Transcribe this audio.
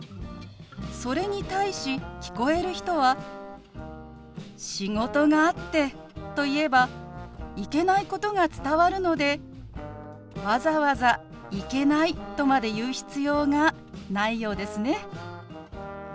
それに対し聞こえる人は「仕事があって」と言えば行けないことが伝わるのでわざわざ「行けない」とまで言う必要がないようですね。